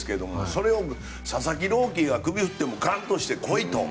それを佐々木朗希が首を振ってもガンとして来いと。